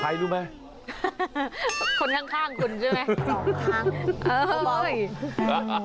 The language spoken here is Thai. ใครรู้ไหมคนข้างคุณใช่ไหมสองข้าง